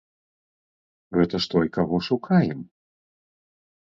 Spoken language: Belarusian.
Гэта ж той, каго шукаем.